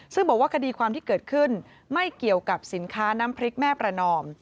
ซึ่งบอกว่าคดีความที่เกิดขึ้นไม่เกี่ยวกับสินค้าน้ำพริกแม่ประนอม